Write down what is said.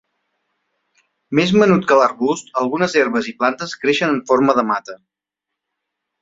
Més menut que l'arbust algunes herbes i plantes creixen en forma de mata.